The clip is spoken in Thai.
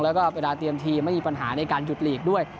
แล้วก็เวลาเตรียมทีมไม่มีปัญหาในการหยุดหลีกด้วย